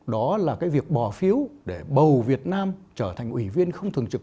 đó là cái việc bỏ phiếu để bầu việt nam trở thành ủy viên không thường trực